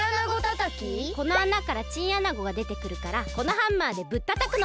このあなからチンアナゴがでてくるからこのハンマーでぶったたくの。